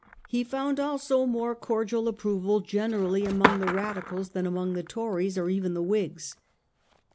He found also more cordial approval generally among the Radicals than among the Tories, or even the Whigs.